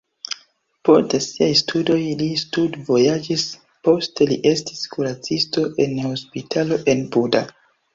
Post siaj studoj li studvojaĝis, poste li estis kuracisto en hospitalo en Buda.